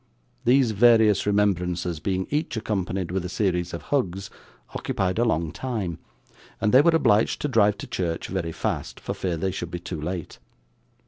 These various remembrances being each accompanied with a series of hugs, occupied a long time, and they were obliged to drive to church very fast, for fear they should be too late.